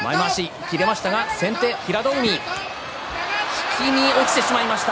引きに落ちてしまいました